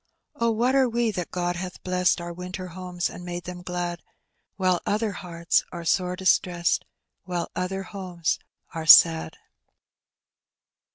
Oh, what are we, that God hath blegaed Onr winter homes and made them glad. While other hearts ore sore distreseed, While other homes are sad